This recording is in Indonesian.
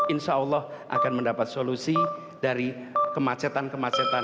insya allah akan mendapat solusi dari kemacetan kemacetan